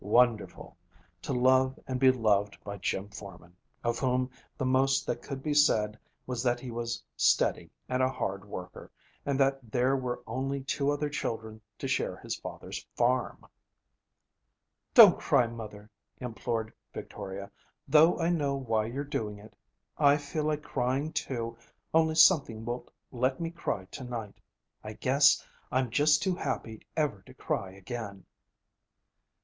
Wonderful! To love and be loved by Jim Forman, of whom the most that could be said was that he was steady and a hard worker, and that there were only two other children to share his father's farm! 'Don't cry, mother,' implored Victoria, 'though I know why you're doing it. I feel like crying, too, only something won't let me cry to night. I guess I'm just too happy ever to cry again.'